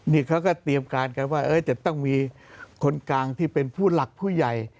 นี่เขาก็เตรียมการกันว่าจะต้องมีคนกลางที่เป็นผู้หลักผู้ใหญ่